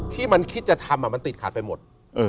ที่มันคิดจะทำมันติดขาดไปหมด